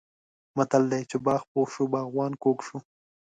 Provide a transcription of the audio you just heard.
متل دی: چې باغ پوخ شو باغوان کوږ شو.